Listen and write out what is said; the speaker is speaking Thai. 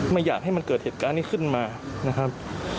ไม่อยากให้มันเกิดเหตุการณ์นี้ขึ้นมานะครับ